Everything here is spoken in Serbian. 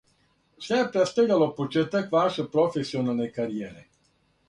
Шта је представљало почетак ваше професионалне каријере?